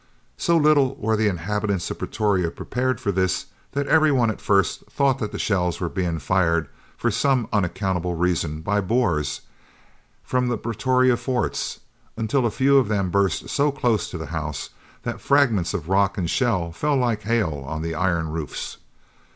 So little were the inhabitants of Pretoria prepared for this that everyone at first thought that the shells were being fired, for some unaccountable reason, by the Boers, from the Pretoria Forts, until a few of them burst so close to the houses that the fragments of rock and shell fell like hail on the iron roofs.